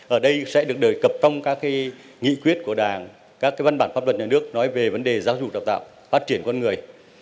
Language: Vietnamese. ở đây sẽ được đề cập trong các nghị quyết của đảng các văn bản pháp luật nhà nước nói về vấn đề giáo dục đào tạo phát triển con người